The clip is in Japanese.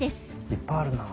いっぱいあるな。